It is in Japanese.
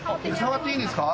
触っていいんですか？